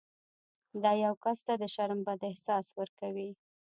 دا یو کس ته د شرم بد احساس ورکوي.